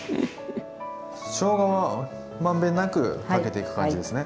しょうがは満遍なくかけていく感じですね。